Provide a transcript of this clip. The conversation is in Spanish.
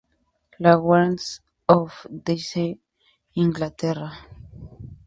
Lawrence, Hertfordshire, Inglaterra.